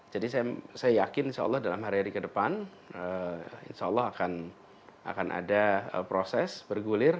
saya yakin insya allah dalam hari hari ke depan insya allah akan ada proses bergulir